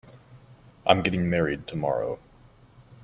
I'm getting married tomorrow.